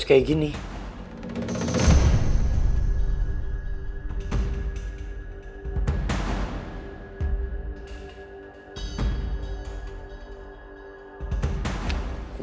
serangan janu firm